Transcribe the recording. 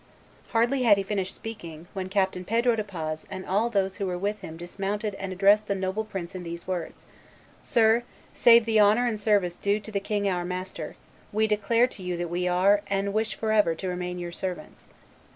] Hardly had he finished speaking, when Captain Pedro de Paz and all those who were with him dismounted and addressed the noble prince in these words: "Sir, save the honor and service due to the king our master, we declare to you that we are, and wish forever to remain, your servants."